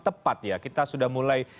tepat ya kita sudah mulai